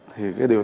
thì cái điều